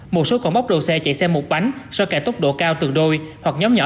một số còn bóc đồ xe chạy xe một bánh so với kẻ tốc độ cao từ đôi hoặc nhóm nhỏ